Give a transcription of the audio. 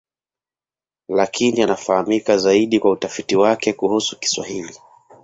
Lakini anafahamika zaidi kwa utafiti wake kuhusu Kiswahili.